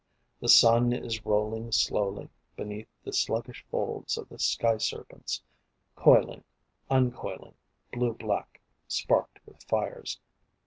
The sun is rolling slowly Beneath the sluggish folds of the sky serpents, Coiling, uncoiling, blue black, sparked with fires.